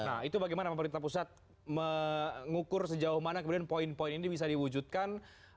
nah itu bagaimana pemerintah pusat mengukur sejauh mana kemudian poin poin ini bisa diwujudkan